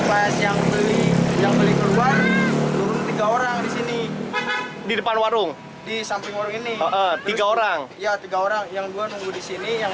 korban di depan warung di samping warung ini tiga orang orang yang gue nunggu di sini yang